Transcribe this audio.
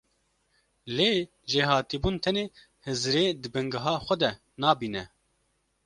Lê jêhatîbûn tenê hizirê di bingeha xwe de nabîne.